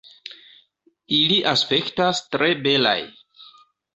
Ili aspektas tre belaj.